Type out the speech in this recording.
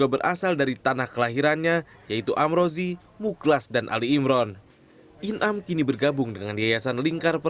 alhamdulillah hari ini ketika tadi ditulis tentang islamisme imprendir momentum dip )